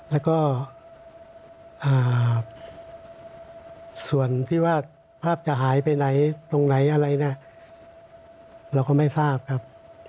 แล้วก็ส่วนที่ว่าภาพจะหายไปไหนตรงไหนอะไรนะเราก็ไม่ทราบครับ